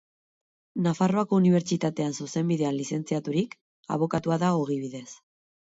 Nafarroako Unibertsitatean zuzenbidean lizentziaturik, abokatua da ogibidez.